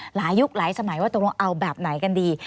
ยุคหลายสมัยว่าตกลงเอาแบบไหนกันดี